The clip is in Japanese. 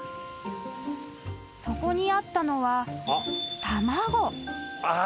［そこにあったのは］